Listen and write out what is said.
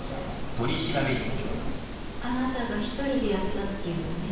あなたが一人でやったっていうのね？